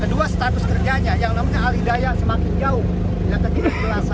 kedua status kerjanya yang namanya alih daya semakin jauh